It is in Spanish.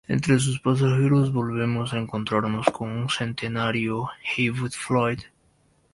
Entre sus pasajeros volvemos a encontrarnos con un centenario Heywood Floyd.